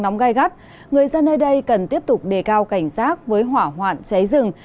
nóng gai gắt người dân ở đây cần tiếp tục đề cao cảnh sát với hỏa hoạn cháy rừng